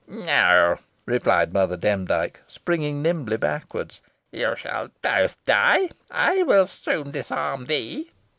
"No!" replied Mother Demdike, springing nimbly backwards. "You shall both die. I will soon disarm thee."